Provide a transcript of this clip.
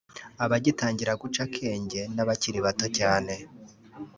abagitangira guca akenge n’abakiri bato cyane